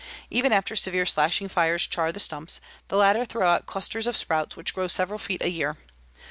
Even after severe slashing fires char the stumps, the latter throw out clusters of sprouts which grow several feet a year.